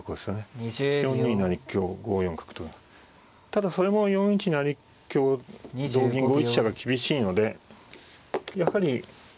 ただそれも４一成香同銀５一飛車が厳しいのでやはり。